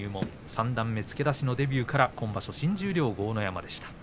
三段目付け出しのデビューから今場所新十両の豪ノ山でした。